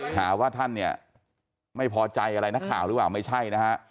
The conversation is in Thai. หาว่าท่านเนี่ยไม่พอใจอะไรนักข่าวหรือเปล่าไม่ใช่นะฮะ